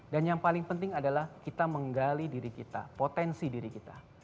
dan yang paling penting adalah kita menggali diri kita potensi diri kita